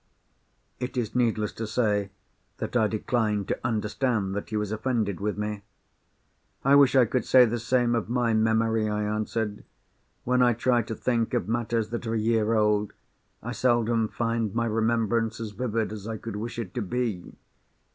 It is needless to say that I declined to understand that he was offended with me. "I wish I could say the same of my memory," I answered. "When I try to think of matters that are a year old, I seldom find my remembrance as vivid as I could wish it to be.